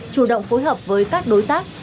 chủ động phối hợp với các đối tác